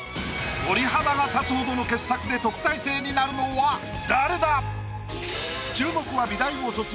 鳥肌が立つほどの傑作で特待生になるのは誰だ